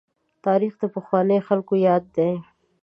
تاريخ د پخوانیو خلکو ياد دی.